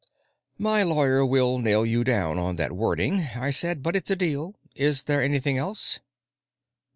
"My lawyer will nail you down on that wording," I said, "but it's a deal. Is there anything else?"